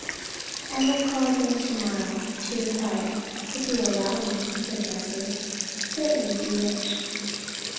"I will call again to morrow morning to inquire, if you will allow me," said Leslie. "Certainly, if you wish."